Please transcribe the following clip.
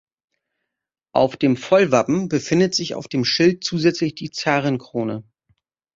Auf dem Vollwappen befindet sich auf dem Schild zusätzlich die Zarenkrone.